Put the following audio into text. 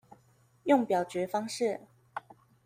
用表決方式